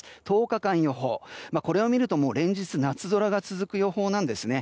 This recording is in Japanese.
１０日間予報、これを見るともう連日、夏空が続く予報なんですね。